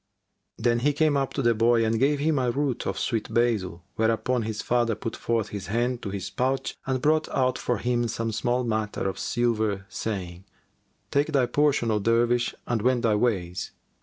"[FN#386] Then he came up to the boy and gave him a root[FN#387] of sweet basil, whereupon his father put forth his hand to his pouch and brought out for him some small matter of silver, saying, "Take thy portion, O Dervish, and wend thy ways."